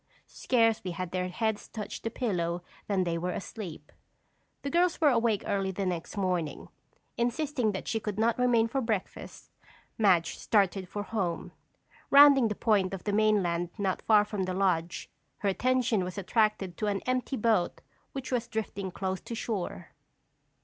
Scarcely had their heads touched the pillow than they were asleep. The girls were awake early the next morning. Insisting that she could not remain for breakfast, Madge started for home. Rounding the point of the mainland not far from the lodge, her attention was attracted to an empty boat which was drifting close to shore.